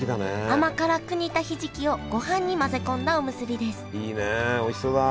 甘辛く煮たひじきをごはんに混ぜ込んだおむすびですいいねおいしそうだ。